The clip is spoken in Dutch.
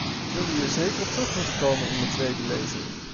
We zullen hier zeker op terug moeten komen in tweede lezing.